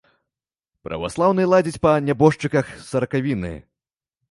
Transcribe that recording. Праваслаўныя ладзяць па нябожчыках саракавіны.